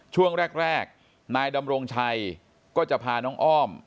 ช่วงแรกนายดำรงชัยก็จะพาน้องอ้อม